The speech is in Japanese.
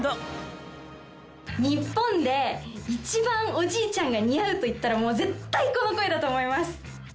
日本で一番おじいちゃんが似合うといったら絶対この声だと思います！